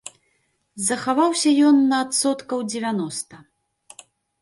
Захаваўся ён на адсоткаў дзевяноста.